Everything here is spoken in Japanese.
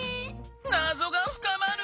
なぞがふかまる！